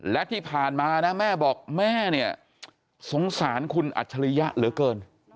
และที่ผ่านมานะแม่บอกแม่เนี่ยสงสารคุณอัจฉริยะเหลือเกิน